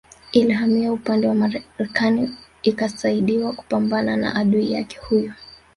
Ilihamia upande wa Marekani ikasaidiwa kupambana na adui yake huyo